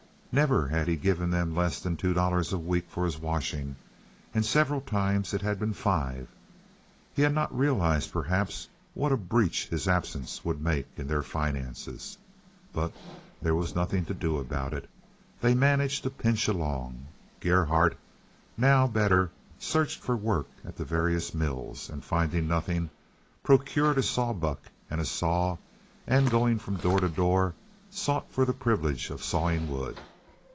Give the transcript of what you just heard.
Never had he given them less than two dollars a week for his washing, and several times it had been five. He had not realized, perhaps, what a breach his absence would make in their finances. But there was nothing to do about it; they managed to pinch along. Gerhardt, now better, searched for work at the various mills, and finding nothing, procured a saw buck and saw, and going from door to door, sought for the privilege of sawing wood.